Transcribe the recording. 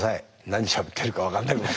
何しゃべってるか分かんなくなって。